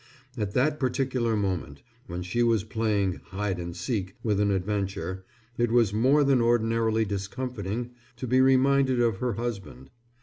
At that particular moment, when she was playing "hide and seek" with an adventure, it was more than ordinarily discomfiting to be reminded of her husband.